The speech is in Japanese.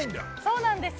そうなんです。